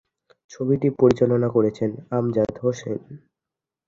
ছবিটি পরিচালনা করেছেন আমজাদ হোসেন।